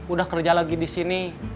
udah kerja lagi di sini